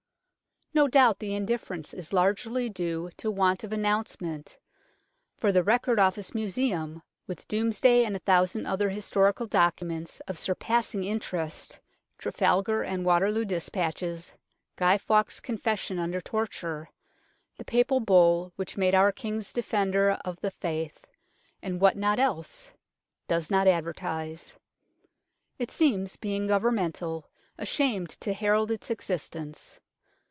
No doubt the indifference is largely due to want of announcement, for the Record Office Museum, with Domesday and a thousand other historical documents of surpassing interest Trafalgar and Waterloo despatches, Guy Fawkes's confession under torture, the Papal Bull which made our Kings Defender of the Faith, and what not else ? does not advertise. It seems, being Governmental, ashamed to herald its existence.